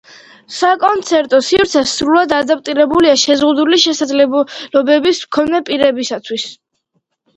საკონცერტო სივრცე სრულად ადაპტირებულია შეზღუდული შესაძლებლობების მქონე პირებისათვის.